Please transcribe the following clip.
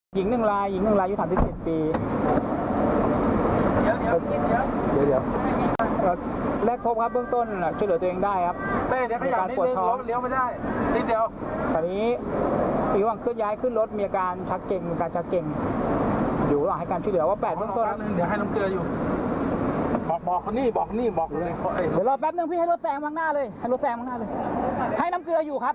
ให้รถแซงข้างหน้าเลยให้รถแซงข้างหน้าเลยให้น้ำเกลืออยู่ครับผมให้น้ำเกลือคนไข้อยู่